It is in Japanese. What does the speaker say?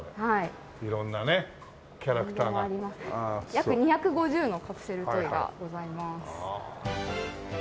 約２５０のカプセルトイがございます。